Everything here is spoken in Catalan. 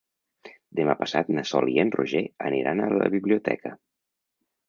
Demà passat na Sol i en Roger aniran a la biblioteca.